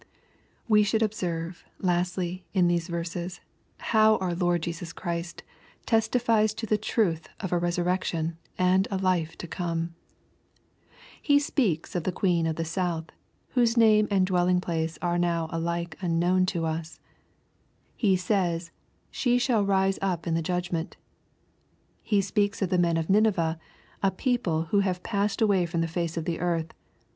I We should observe, lastly, in these verses, how our Lord Jesus Christ testifies to the truth of a resurrectiorij and a life to come. He speaks of the queen of the south, whose name and dwelling place are now alike unknown to us. He says " she shall rise up in the judgment.'* He speaks of the men of Nineveh, a people who have passed away from the face of the earth.